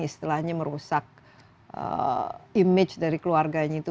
istilahnya merusak image dari keluarganya itu